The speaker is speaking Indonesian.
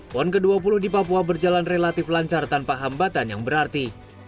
pon ke dua puluh di papua berjalan relatif lancar tanpa hambatan yang berarti